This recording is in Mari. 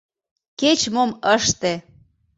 Кеч-мом ыште!